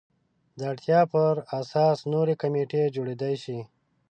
د اړتیا پر اساس نورې کمیټې جوړېدای شي.